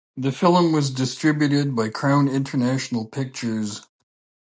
The film was distributed by Crown International Pictures.